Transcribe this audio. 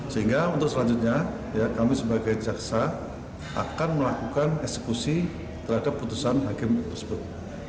sehingga untuk selanjutnya kami sebagai jaksa akan melakukan eksekusi terhadap putusan hakim tersebut